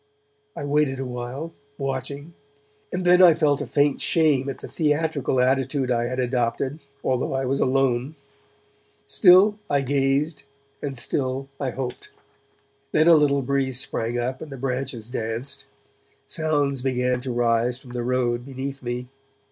I waited awhile, watching; and then I felt a faint shame at the theatrical attitude I had adopted, although I was alone. Still I gazed and still I hoped. Then a little breeze sprang up and the branches danced. Sounds began to rise from the road beneath me.